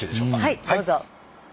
はいどうぞ。